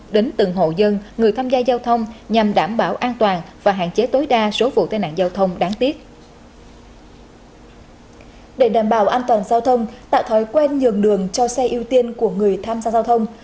để đảm bảo an toàn giao thông tạo thói quen nhường đường cho xe ưu tiên của người tham gia giao thông